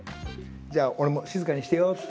じゃあ俺も静かにしてようっと。